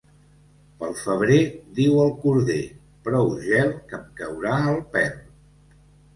Pel febrer diu el corder: —Prou gel, que em caurà el pèl.